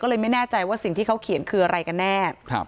ก็เลยไม่แน่ใจว่าสิ่งที่เขาเขียนคืออะไรกันแน่